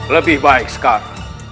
lebih baik sekarang